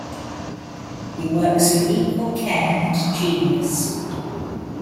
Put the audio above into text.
He works with equal care and genius.